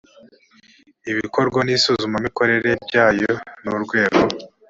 ibikorwa n isuzumamikorere byayo n urwego